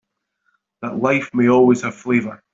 That life may always have flavor.